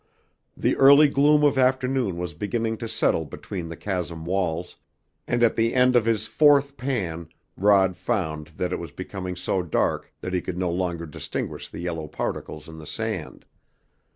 The early gloom of afternoon was beginning to settle between the chasm walls, and at the end of his fourth pan Rod found that it was becoming so dark that he could no longer distinguish the yellow particles in the sand.